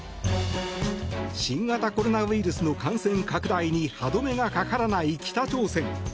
新型コロナウイルスの感染拡大に歯止めがかからない北朝鮮。